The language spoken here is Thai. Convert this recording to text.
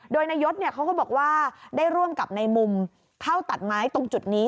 โดยนายศเขาก็บอกว่าได้ร่วมกับในมุมเข้าตัดไม้ตรงจุดนี้